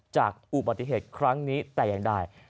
จากอุบัติเหตุครั้งนี้แต่อย่างใด